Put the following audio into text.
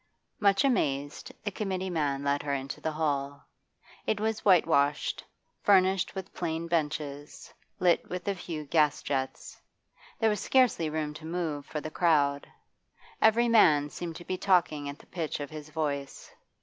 Much amazed, the committee man led her into the hall. It was whitewashed, furnished with plain benches, lit with a few gas jets. There was scarcely room to move for the crowd. Every man seemed to be talking at the pitch of his voice.